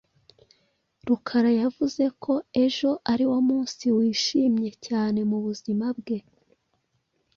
Rukara yavuze ko ejo ariwo munsi wishimye cyane mubuzima bwe.